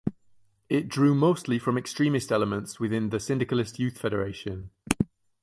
It drew mostly from extremist elements within the Syndicalist Youth Federation.